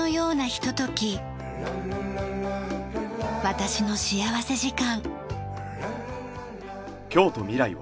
『私の幸福時間』。